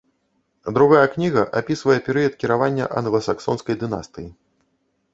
Другая кніга апісвае перыяд кіравання англасаксонскай дынастыі.